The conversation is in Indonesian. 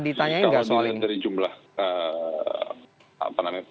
ditanyain gak soal ini ya kita melihat dari jumlah